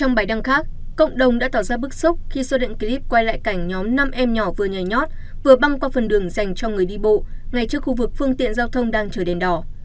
trong bài đăng khác cộng đồng đã tỏ ra bức xúc khi so điện clip quay lại cảnh nhóm năm em nhỏ vừa nhảy nhót vừa băng qua phần đường dành cho người đi bộ ngay trước khu vực phương tiện giao thông đang chờ đèn đỏ